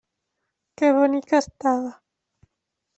Que bonica estava!